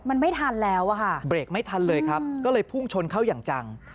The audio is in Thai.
มันไม่ทันแล้วอ่ะค่ะเบรกไม่ทันเลยครับก็เลยพุ่งชนเข้าอย่างจัง